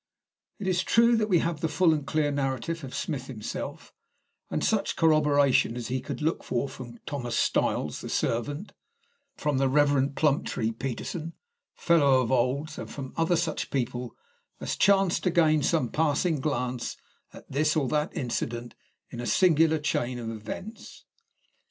It is true that we have the full and clear narrative of Smith himself, and such corroboration as he could look for from Thomas Styles the servant, from the Reverend Plumptree Peterson, Fellow of Old's, and from such other people as chanced to gain some passing glance at this or that incident in a singular chain of events.